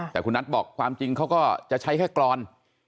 แต่คุณนัทบอกความจริงเขาก็จะใช้แค่กรอน